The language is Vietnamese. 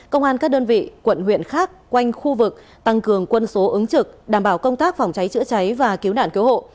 công an các đơn vị quận huyện khác quanh khu vực tăng cường quân số ứng trực đảm bảo công tác phòng cháy chữa cháy và cứu nạn cứu hộ